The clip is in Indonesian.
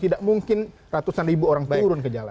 tidak mungkin ratusan ribu orang turun ke jalan